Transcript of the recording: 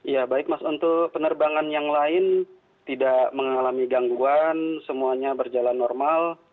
ya baik mas untuk penerbangan yang lain tidak mengalami gangguan semuanya berjalan normal